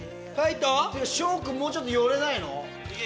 紫耀君もうちょっと寄れないの？